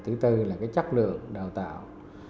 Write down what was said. thứ bốn là cái chất lượng đào tạo